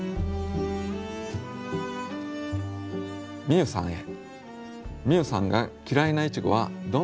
みゆさんへ。